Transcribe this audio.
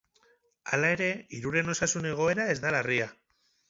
Hala ere, hiruren osasun egoera ez da larria.